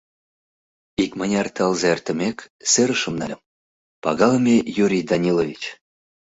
Икмыняр тылзе эртымек, серышым нальым: «Пагалыме Юрий Данилович!